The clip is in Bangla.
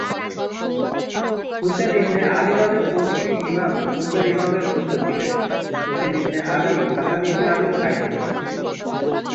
হুসেন ইবনে আলী বাদে প্রতিটি ইমাম পূর্বের ইমামের পুত্র ছিলেন, হুসেন ইবনে আলী হাসান ইবনে আলীর ভাই ছিলেন।